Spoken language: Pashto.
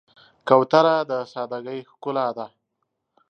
کوتره د سادګۍ ښکلا ده.